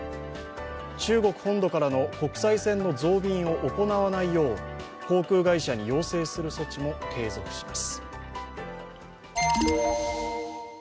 中国本土からの国際線の増便を行わないよう航空会社に要請する措置も継続します。